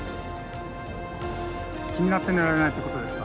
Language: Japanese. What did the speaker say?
気になって寝られないということですか？